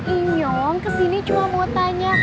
inyong kesini cuma mau tanya